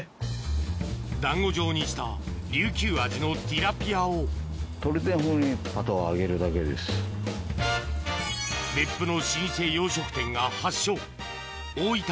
団子状にしたりゅうきゅう味のティラピアを別府の老舗洋食店が発祥大分